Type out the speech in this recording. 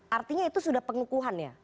artinya itu sudah pengukuhan ya